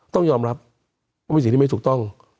ต้องยอมรับว่าเป็นสิ่งที่ไม่ถูกต้อง